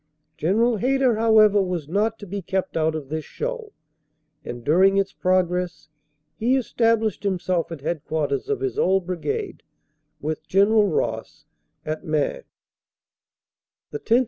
General Hayter, however, was not to be kept out of this show, and during its progress he established himself at headquarters of his old Brigade, with General Ross, at Maing. The 10th.